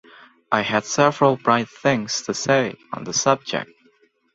I had several bright things to say on the subject.